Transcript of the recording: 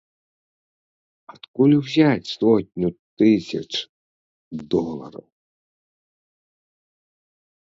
Адкуль узяць сотню тысяч долараў?